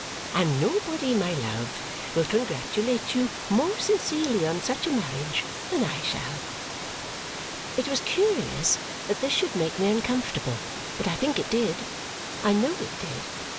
And nobody, my love, will congratulate you more sincerely on such a marriage than I shall." It was curious that this should make me uncomfortable, but I think it did. I know it did.